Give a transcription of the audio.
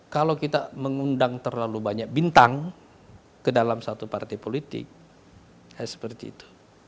kalau kita mengundang terlalu banyak bintang ke dalam satu partai politik seperti itu